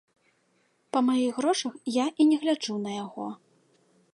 Па маіх грошах я і не гляджу на яго.